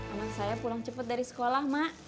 anak saya pulang cepet dari sekolah ma